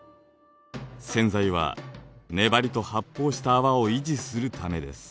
洗剤は粘りと発泡した泡を維持するためです。